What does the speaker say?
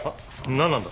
何なんだ！？